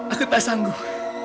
aku tak sanggup